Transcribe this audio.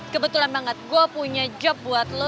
kebetulan banget gue punya job buat lo